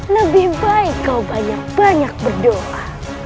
lebih baik kau banyak banyak berdoa